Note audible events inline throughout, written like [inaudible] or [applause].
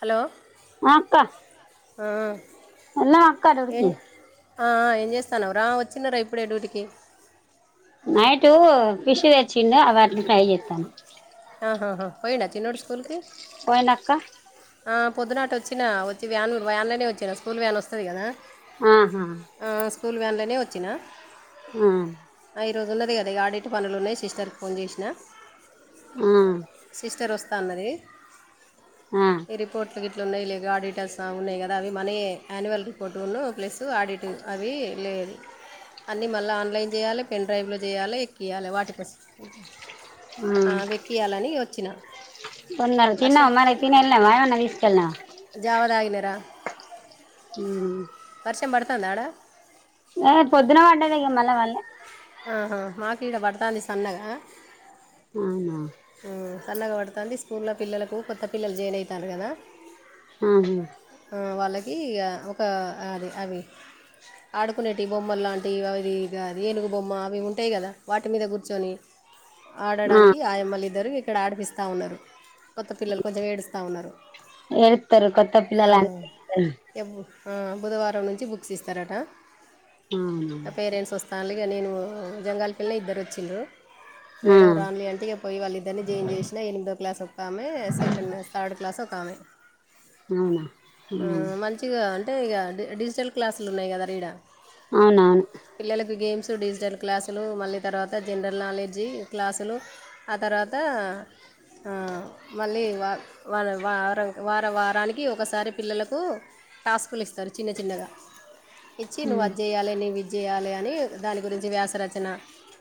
Hello ఆ అక్క ఆ, ఉన్నరా అక్క డురికీ అ ఆ ఏం చేస్తున్నావ్రా వచ్చినార ఇప్పుడే డ్యూటీకి నైటు ఫిష్ తెచ్చిండు అ వాటిని ఫ్రై చేత్తన్న పాయిండ చిన్నోడు స్కూల్కి పోయిండక్క పొద్దున అట్ ఒచ్చినా వచ్చి వ్యాన్ వ్యాన్లోనే వచ్చినా స్కూల్ వ్యాన్ వస్తది కదా ఆహా ఆ, స్కూల్ వ్యాన్లోనే ఒచ్చినా ఆ ఈ రోజు ఉన్నది కదా ఇగ ఆడిట్ పనులు ఉన్నాయి సిస్టర్క్ ఫోన్ చేసిన ఆహ్ స్ధర ఒస్త అన్నది ఆ ఇ రిపోర్ట్ల్ గిట్ లున్నాయి లే గాడిటర్స్ ఉన్నాయి కదా అవి మన ఆయాన్యువల్ రిపోర్ట్ ఉన్న ప్లస్ టు ఆడిట్టూ అవి లేరి అన్ని మల్ల ఆన్లైన్ చేయలే పెండ్రైవ్ల చేయలే కియాలా వాటికోస్ కొన్నర్ తిన్నావ వర్షం మరి, తిని ఎల్నవ ఏమైనా తీసుకెళ్నవ? జావ దాగినర ఉమ్ శం పెడ్తాంద ఆడ ఆ పొద్దున పడ్డది ఇగ మళ్ళ వల్ల ఆహా మాకీడ పడ్తాంది సన్నగ అవునా ఉమ్ సన్నగా పడ్తాంది. స్కూల్లో పిల్లలకు కొత్త పిల్లలు జెయిన్ అయితాండ్రు కదా. ఆహా ఆ వాళ్ళకి ఇగ ఒక అది అవి ఆడుకునేటివి బొమ్మలు లాంటివి ఇగా ఆది అవి ఏనుగు బొమ్మ అవి ఉంటాయి కదా, వాటి మీద కూర్చొని ఆ ఆడడానికి ఆయమ్మలు ఇద్దరు ఇక్కడ ఆడిపిస్తా ఉన్నరు, కొత్త పిల్లలు కొంచెం ఏడుస్తా ఉన్నరు. ఏడుతరు కొత్త పిల్లల ఇక బు- ఆ బుధవారం నుంచి బుక్స్ ఇస్తరట పేరెంట్స్ వస్తాలు ఇగ నేను జంగాల్ పిల్ల ఇద్దరు వచ్చిండ్రు మేడం రాండి అంటే, ఇగ పోయి వాళ్ళిద్దరిని జెయిన్ చేసినా, ఎనిమిదో క్లాస్ ఒకామె సెకండ్ థర్డ్ క్లాస్ ఒకామె. అవునా ఆ అవునా ఆ ఉమ్ మంచిగా అంటే ఇగ డి డిజిటల్ క్లాసులు ఉన్నాయి కదా రీడ అవునవును టూ డిజిటల్ క్లాసులు, మళ్ళీ తర్వాత జనరల్ నాలెడ్జీ క్లాసులు ఆ తర్వాత ఆ మళ్ళీ వా వ ర వార వార వారానికి ఒకసారి పిల్లలకు టాస్కులు ఇస్తరు చిన్న చిన్నగా, ఇచ్చి నువ్వు ఉమ్ అది జేయాలే నువ్వు ఇది జేయలే అని దాని గురించి వ్యాసరచన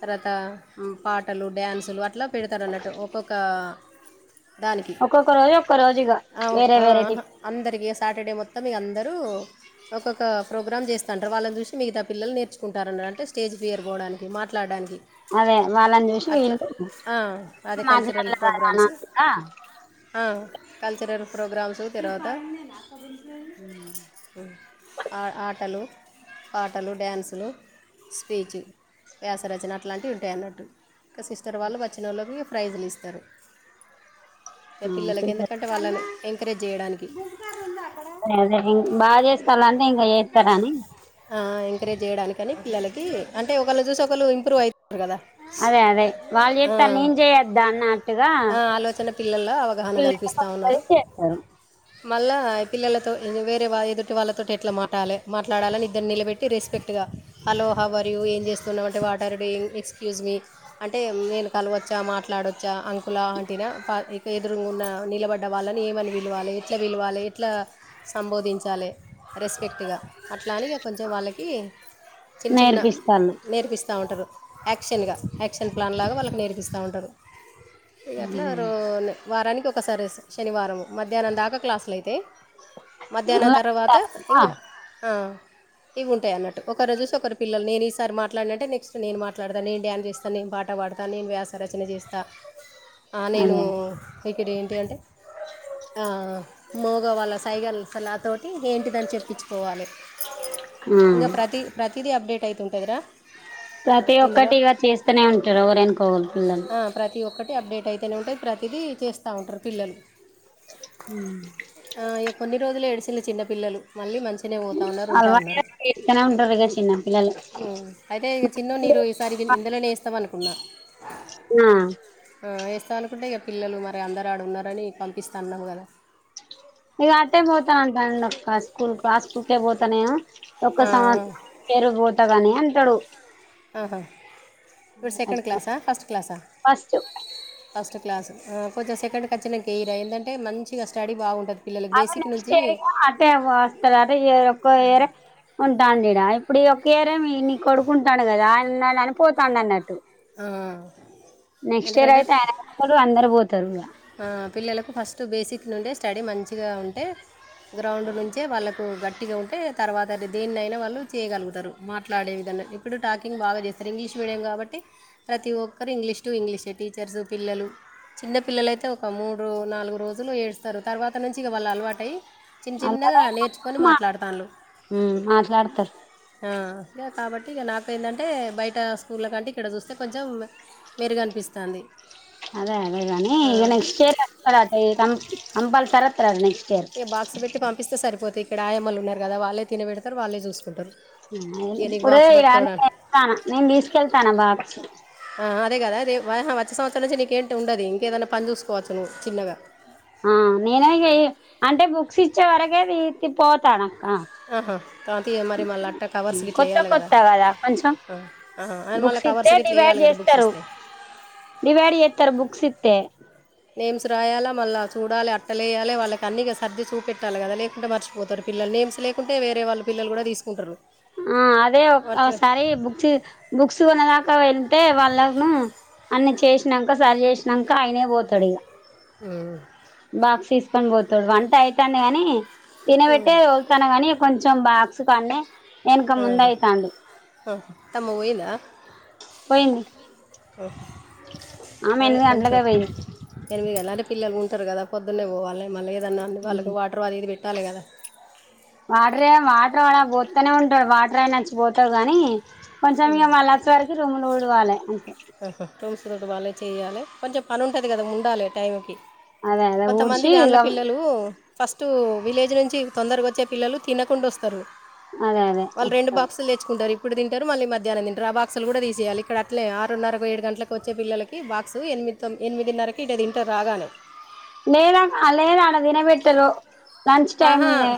తరాత పాటలు డ్యాన్సులు అట్లా పెడతరూ అన్నట్టు ఒక్కొక్క దానికి ఒక్కొక్క రోజు ఒక్క రోజుగా వేరే వేరే టి అందరికి సాటర్డే మొత్తం ఇగ అందరూ ఒక్కొక్క ప్రోగ్రామ్ చేస్తంటారు, వాళ్ళని చూసి మిగతా పిల్లలు నేర్చుకుంటారన్న అంటే స్టేజ్ ఫియర్ పోడానికి మాట్లాడానికి అదే వాళ్ళని చూసి వీళ్ళు [inaudible] ఆ, అదే ఆ కల్చరల్ ప్రోగ్రామ్స్ తర్వాత ఆ ఆటలు పాటలు, డ్యాన్సులు, స్పీచ్, వ్యాసరచన అట్లాంటివి ఉంటాయి అన్నట్టు, ఇంక సిస్టర్ వాళ్ళు వచ్చినోళ్ళకు ప్రైజ్లు ఇస్తరు. ఇగ పిల్లలకి ఎందుకంటే వాళ్ళని ఎంకరేజ్ చేయడానికి ఇంగ అదే బాగా చేస్తాలంటే ఇంకా చేస్తరని ఎంకరేజ్ చేయడానికని పిల్లలకి అంటే ఒకళ్ళు చూసి ఒకళ్ళు ఇంప్రూవ్ అయి ట్రూ కదా అదే అదే వాళ్ళు ఆ చేస్తారు నేను చేయొద్దా అన్నట్టుగా ఆ ఆలోచన పిల్లల్లో అవగా హన పిల్లలకు గల్పిస్తా వస్తది ఉన్నరు చేస్తారు మళ్ళా పిల్లలతో ఇంగ వేరే వా ఎదుటి వాళ్ళతోటి ఎట్ల మాటాలే మాట్లాడాలని ఇద్దర్ని నిలబెట్టి రెస్పెక్ట్గా హలో, హౌ ఆర్ యూ, ఏం చేస్తున్నామంటే what are doing, excuse me అంటే నేను కలవచ్చా మాట్లా డొచ్చా అంకులా ఆంటీ నా ప ఇక ఎదురుగున్న నిలబడ్డ వాళ్ళని ఏమని వాలి ఎట్లా విలవాలి ఎట్లా సంబోధించాలే రెస్పెక్ట్ టిగ అట్లా అని ఇగ కొంచెం వాళ్ళకి చిన్ చిన్న నేర్పిస్తాళ్ళు నేర్పిస్తా ఉంటరు యాక్షన్ గా యాక్షన్ ప్లాన్ లా వాళ్ళకి నేర్పిస్తా ఉంటరు ఇగ అట్లా రో నే వారానికి ఒకసారి శ శనివారంము మధ్యాహ్నం దాకా క్లాసులు అయితే మధ్యానం తర్వాత ఇంగ ఆ ఇవుంటయ్ అన్నట్టు ఒక రోజు సో ఒకరి పిల్లలు నేన్ ఈసారి మాట్లాడినంటే నక్స్ట్ నేను మాట్డతా నేన్ డ్యాన్ చేస్తా నేన్ పాట పాడతా నేన్ వ్యాస రచన చేస్త ఆ నేను అదే ఇక్కడ ఏంటి అంటే ఆ మోగ వాళ్ళ సైగల్ అలాతోటి ఏంటిదని చెప్పించుకోవాలి ఇంకా ప్రతి ప్రతి ది అప్డేట్ అయితుంటుందిరా ప్రతి ఒక్కటి ఇగా చేస్తూనే ఉంటారు ఒకరినికొకరు పిల్లలు ఆ, ప్రతి ఒక్కటి అప్డేట్ అయితేనే ఉంటాయి ప్రతీదీ చేస్త ఉంటారు పిల్లలు ఆ ఇగ కొన్ని రోజులు ఏడిసిన చిన్నపిల్లలు మళ్ళీ మంచి అల్వ ఏకనే ఉంటరగా చిన్న పిల్లలు ఉమ్ అయితే చిన్నోనీరు ఈసారి ఇందులోనే ఎస్తామనుకున్నా నా వేస్తా అనుకుంటే ఇక పిల్లలు మరి అందరు ఆడ ఉన్నారని పంపిస్తా అన్నావు కదా ఇగ అట్టే పోతా అంటాండి అక్క స్కూల్ ఆ స్కూల్ కే పోతానేే ఆ, ఒక్క సంవత్సరం పెరిగి పోతాగాని అంటాడు ఆహా ఇప్పుడు సెకండ్ అట్లా క్లాసా ఫస్ట్ క్లాసా ఫస్ట్ క్లా ఫస్ట్ క్లాస్ కొంచెం సెకండ్కిచ్చిన కేెయిరా ఎందంటే మంచిగా స్టడీ బాగుంటది అదే నెక్స్ట్ ఇయర్ ఇగ అటే వస్తారు అట ఈ ఇయర్ ఒక ఇయర్ ఉంటాండిడా ఇప్పుడు ఒక ఇయర్ నీ కొడుకుంటాను కదా అన్నా అని పోతాడు అన్నట్టు ఆ, నెక్స్ట్ ఇయర్ అయితే ఆయనడు అందరు పోతారు హ పిల్లలకు ఫస్ట్ బేసిక్ నుండి స్టడీ మంచిగా ఉంటే గ్రౌండ్ నుంచే వాళ్ళలకు గట్టిగా ఉంటే తర్వాత దేన్ని అయినా వాళ్ళు చేయగలుగుతారు మాట్లాడే విధ ఇప్పుడు టాకింగ్ బాగా చేస్తారు ఇంగ్లీష్ మీడియం కాబట్టి ప్రతి ఒక్కరు ఇంగ్లీష్ టు ఇంగ్లీష్ టీచర్స్ పిల్లలు చిన్న పిల్లలయితే ఒక మూడు నాలుగు రోజులు ఏడుస్తారు తర్వాత నుంచి ఇక వాళ్ళ అలవాట అయ్యి చిన్న చిన్నగా నేర్చుకొని మాట్లాడుతల్లు ఉమ్ మాట్లాడతారు ఆ ఇ కాబట్టి ఇక నాక ఏందంటే బయట స్కూళ్ల కంటే ఇక్కడ చూస్తే కొంచెం మెరుగు అనిపిస్తది అదే అదేగానీ ఈ నెక్ట్ కస్త కాం కంప్లాసరీ అతడు అట నెక్స్ట్ ఇయర్ ఈ బాక్స్ పెట్టి పంపిస్తే సరిపోతతే ఇక్కడ ఆయామ్మల్లు ఉన్నారు కదా వాళ్ళ తినబెడతారు వాళ్ళే చూసుకుంటారు ఇక నీకు ఇప్పుడు బాక్స్ ఇ రాని పట్టుకోవడం వెతాను నేను తీసుకెళ్తాను బాక్స్ ఆ, అదే కదా అదే వచ్చే సంవత్సం నుంచి నీకేంటి ఉండది ఇంకేదైనా పని చూసుకోవచ్చువవు చిన్నగా ఆ నేనే అంటే బుక్స్ ఇచ్చే వరకే పోతాను ఆహా కాంత మరి మళ్ళా అట్ట కవర్స్ గట్లా కొత్త వేయాలి కదా కొత్త కొంచెం అ మళ్ళ బుక్స్ ఇస్తే కవర్స్కి ఇట్లా డివైడ్ ఎయ్యాలి కదా బుక్స్ చేస్తారు ఇస్తే డివైడ్ చేస్తారు బుక్స్ ఇతే నేమ్స్ రాయాల మళ్ళ చూడాలి అట్టలేయాలి వాళ్ళకి అన్నీ సర్ది చూపెట్టాలి కదా లేకుంటే మర్చిపోతారు పిల్లల్ని గేమ్స్ లేకుంటేవేరే వాళ్ళ పిల్లలు కూడా తీసుకుంటారు ఆ అదే అట్లా ఒసారి బుక్స్ బుక్స్ కొన్నదాకా వెళ్తే వాళ్ళను అన్ని చేసినాక సరి చేసినాక అయినే పోతాడు ఇక ఉమ్, బాక్స్ తీసు కని పోతాడు వంట అవుతందిగాని తినబెట్టే వెళ్తాను కాగానీ కొంచెం బా స కానే ఆహా హా అత్తమ్మ పోయిందా పోయింది ఆ ఆమె అదే ఎనిమిది కొంచెం గంటలకే పోయింది ఎనిమిగాదే అం పిల్లలు ఉంటారు కదా పొద్న్ననే పోవాలి మళ్ళీ ఏదన్నా అన్న వాళ్ళకి వాటర్ అది ఇది పెట్టాలే కదా వాటర్ే వాటర్ వాలా పోస్తూనే ఉంటాడు వాటర్ అ నచ్చిపోతావు కానీ కొంచెం ఇంక మళ్ళ వచేవరకి రూములు ఊడవాలి అంతే ఉడువలే చేయాలే కొంచెం పని ఉంటుంది కదా ఉండాలి టైంకి అదే అదే కొంతమంది ఊడ్చి వ్యాంల ఇక పిల్లలు ఫస్టు విలేజ్ నుంచి తొందరగా వచ్చే పిల్లలు తినకుండా వస్తరు. అదే అదే వాళ్ళ రెండు వస్తారు బాకసులు దెచ్చుకుంటారి. యరు మళ్ళీ మధ్యానం దీంటారు. ఆ బాక్స్లు గూడా తీసేయాలి. ఇక్కడ అట్లే ఆరున్నర ఒక ఏడు గంటలకు వచ్చే పిల్లలకు బక్స్ ఎనిమిద్ తో ఎనిమిదిన్నరకి ఇట దీంటా రాగానే మేడం హా లేదా అడ తినవెట్టరో లంచ్ ఆహా టైమ్నే.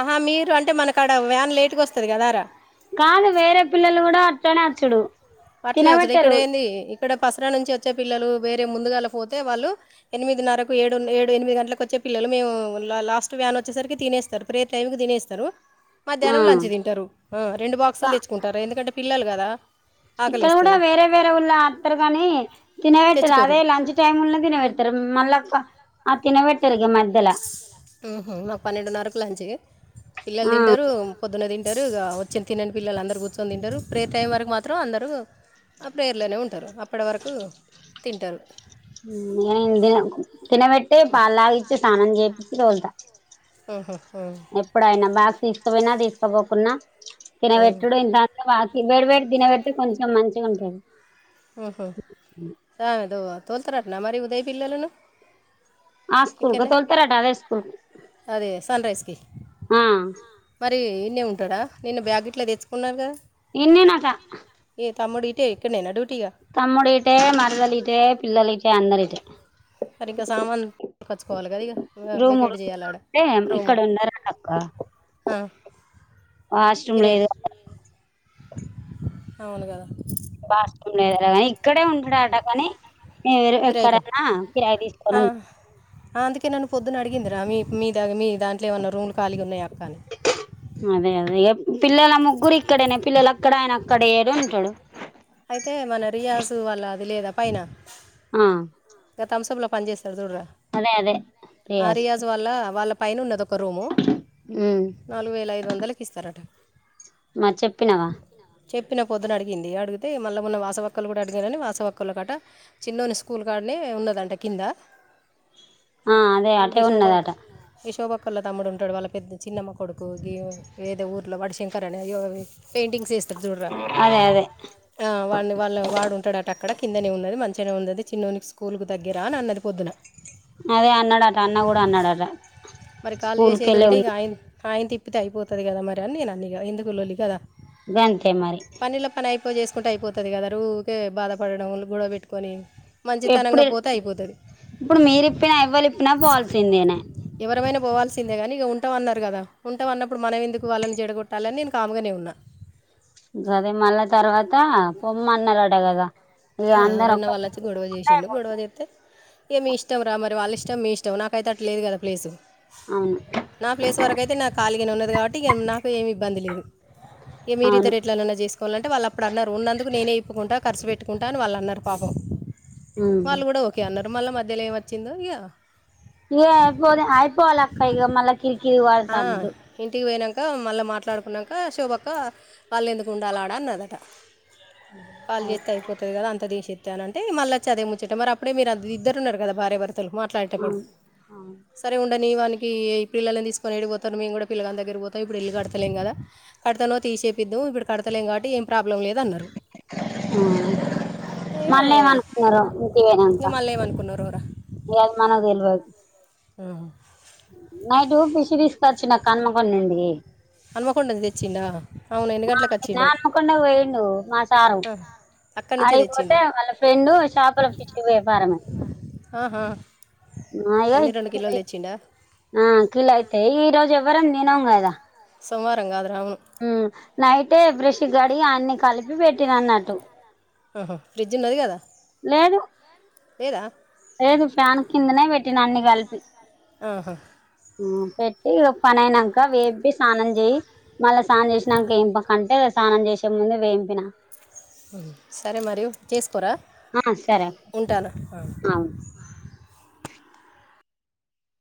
ఆహా మీరు అంటే మనక్ అడా వ్యాన్ లేటుగా వస్తది గదారా చూడు అట్లే వచ్చడా ఇక్కడ ఏంది, ఇక్కడ పసరా నుంచి వచ్చే పిల్లలు. వేరే ముందుగాల పోతే వాళ్ళు ఎనిమిది నరకు ఏ ఏడు ఎనిమిది గంటలకు వచ్చే పిల్లలు మేము లాస్ట్ ప్యాన్ వచ్చేసరికి తినేస్తారు, ప్రేర్ టైంకి తినేస్తారు. మధ్యానం లంచ్ తింటారు. రెండు ఆ బాక్సులు తెచ్చుకుంటారు ఎందుకంటే పిల్లలు గదా. ఇక్కడ కూడా వేరే వేరే ఊళ్ళ ఆతారు గాని తినవెట్టారు, తెచ్చుకోరు అదే లంచ్ టైంలోనే తినవెడతారు. మళ్ళా ఫా ఆ తినవెట్ ఉహుహ్ మా పన్నెండున్నరకు లంచి. పిల్లలు ఆ తింటారు పొద్దున్న ది యరుగా వచ్చిన్ తినని పిల్లలు అందరూ కూర్చొని తింటారు. ప్రేర్ టైం వరకు మాత్రం అందరూ ఆ ప్రేర్లోనే ఉంటారు. అప్పటి వరకు తింటారు. ఏందే తినవెట్టే పాలతాగిచ్చి స్నానం చేయిచ్చి తోలుతా. ఉహుహ్ హు తీస్కావేయినా దిష్కబోకున్న ఉహు. తినవెట్టుడు దాకా రన్ వేడి వేడి దీన్నావేడితే కొంచెం మంచిగుంటది. ఉహుహ్ సా దో తొల్తారంట మరి ఉదేయ్ పిల్లలును ఆ స్కూల్ కు ఇక్కనే తోలుతారట అదే స్కూల్ కు అదే సన్ రైస్కి. ఆ మరి ఇన్నే ఉంటాడా, నిన్నా బ్యాగ్ గిట్లా దేచ్చుకున్నారుగా. ఇన్నే నటా. టే ఇక్కనేనా డు తమ్ముడిటే, మరదలిటే, పిల్లలిటే, అందరిటే. అరి ఇంకా సామాన్ కొచ్చు కొలి గదా. రూము రొండు ఉంటే ఇక్కడ ఉండారట అక్క. ఆ, వాష్రూమ్ కిరాయి లేదాట అవును గదా బసరూమ్ లేదట కాని ఇక్కడే ఉంటాడ కాని, ఏరే కిరాయికు ఎక్కడైన్నా ఫిరాయి దిస్ ఆ ఆ అందుకే నన్ను పొద్దున అడిగిందిరా మీ మీ దాగ మీర్ దాంట్లో ఏమన్నా రూములు ఖాళీగా ఉన్నాయా అక్క అని. అదే అదే ఇగ పిల్లల ముగ్గురు ఇక్కడేనా పిల్లలు అక్కడ ఆయన అక్కడ ఏడుంటాడు. అయితే మన రియాజు వాళ్ళ అది లేదా పైన ఆ పన్ జెస్తాద్ సూడ్రా. అదే అదే ఆ రియాజ్ రియాజు వాళ్ళ పైనునాధ్ ఒక్ కో రూము ఉమ్ నాలుగు వేల ఐదు వందలకి ఇస్తారట. మరి చెప్పినావా. చెప్పిన పొద్దున అడిగింది. అడిగితే మళ్ళీ ఉన్న వాసవక్కలు కూడా అడిగానని వాసవ ఒక్కలు అట చిన్నోన్ని స్కూల్. గాడనే ఉన్నదంట కింద. ఆ అదే అటే ఉన్నదాట. ఈ శోభ అక్కోలా తమ్ముడు ఉంటాడు. వాళ్ళ పెద్ద చిన్నమ్మ కొడుకు గివ్ ఏదో ఊర్లో వాడు శంకర్ అని పెయింటింగ్స్ ఏస్ తద్ జూడ్రా అదే అదే ఆ వాని వాళ్ళ వాడుంటాడట అక్కడ కిందనే ఉన్నది మంచిగానే ఉందది. చిన్నోనికి స్కూల్కు తగ్గరా అని అన్నది పొద్దున అదే అన్నాడట అన్న కూడా అన్నాడట మరి కాల్ స్కూల్ చేసేది కెళ్ళే ఉంటే ఉన్న ఇక ఆయన ఆయన తిప్పితే అయిపోతుంది కదా మరి అని నేను అన్ని ఎందుకు లొళి కదా గంతే మరి పనిలో పని అయిపోయి చేసుకుంటూ అయిపోతు వస్తుంది కద ఊకే బాధపడడం గొడవ పెట్టుకొని మంచితనంగా ఎప్పుడు పోతే అయిపోతుంది ఇప్పుడు మీరిప్పినా ఎవ్వలిప్పినా పోల్సిందేనే వివరమైనా పోవాల్సిందే కానీ ఇక ఉంట అన్నారు కదా ఉంట అన్నప్పుడు మనం ఎందుకు వాళ్ళని జడగొట్టాలని నేను కాముగానే ఉన్నా ఆ పొమ్మన్నాలటగదా రన్న వాళ్ళ వచ్చి గొడవ చేసిండు గొడవ చేస్తే ఇగ మీ ఇష్టం రా మరి వాళ్ళ ఇష్టం మీ ఇష్టం టాం నాకైతే అట్లా లేదు కదా ప్లేసు అవును నా ప్లేస్ వరకు అయితే నాకు ఖాళగానే ఉన్నది కాబట్టి నాకు ఏం ఇబ్బంది లేదు ఇగ అవును మీరిద్దర్ అట్లనాన్న చేసుకోలంటే వాళ్ అప్పుడు అన్నారు ఉన్నందుకు నేనే ఇప్పుకుంట ఖర్చ పెట్టు వాళ్ళు అన్నారు పాపం ఉమ్ వాళ్ళు కూడా ఓకే అన్నారు మళ్ళీ మధ్యలో ఏమి వచ్చిందో ఇక ఇగ అయిపో ఐయిపోల అక్క మల కిరికిరి వదు ఇకా మళ్ళీ మాట్లాడుకున్నాక శోభక్క వాళ్ళు ఎందుకు ఉండాలి ఆడాన్నదట పాళ్ చేస్తే అయిపోతుంది కదా అంత దీశేత్ అని అంటే మళ్ళాచది అదే ముచ్చట మరి అపుడే మీరు ఇద్దరు ఉన్నారు కదా భార్యభర తలు మాట్లాడేటప్పుడు అవును అవును సరే ఉండనీ వానికి పిల్లలని దీస్ కొనిడి పోతారు మేము కూడా పిల్లగాని దగ్గ పోతాం ఇప్పుడు ఇల్ కడతలేం కదా కడతనో తీసిపిద్దు ఇప్పుడు కడతలే కాబట్టి ఏం ప్రాబ్లం లేదన్నారు మళ్ళ ఏం అనుకున్నారు ఇంకా ఇంటివేనంకా మళ్ళీ ఏమనుకున్నారు ఇగ అది మనకు తెలువద్ ఉహు నైటు పిష్ తీసుకొచ్చినక్క హనుమకొండ నుండి హన్మకొండ ను తెచ్చిండా అవును ఎన్ని ఆ గంటలకు నిన వచ్చిండు హన్మకొండ పోయిండు మా సారు ఆ, అక్కడి నుంచే ఆడిపోతే తెచ్చిండు వాళ్ళ ఫ్రెండు చాపల ఫిష్ వ్యాపారము ఆహా ఆ ఇగో ఎన్ని రెండు కిలోలు ఇచింది తెచ్చిండా అయో కిలో అయితయ్ ఈ రోజు ఎవ్వరం తినం కదా సోమవారం కాదు రావును ఊ నైటే బ్రష గడి అన్ని కలిపి పెట్టిన అన్నట్టు ఆహ ఫ్రిజ్ ఉన్నది కదా లేదు లేదా లేదు ఫ్యాన్ కిందనే పెట్టిన అన్ని కలిపి ఆహా ఊ పెట్టి పనయినాక వేంపి స్నానం చేయి మళ్ళా స్నానం చేసినాక వేంప కంటే స్నానం చేసే ముందు వేంపిన ఉహు సరే మరియు చేస్ ప్పురా ఆ సరే ఉంటాన అ అక్క ఆ